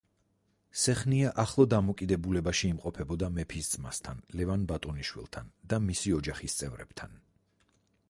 სეხნია ახლო დამოკიდებულებაში იმყოფებოდა მეფის ძმასთან ლევან ბატონიშვილთან და მისი ოჯახის წევრებთან.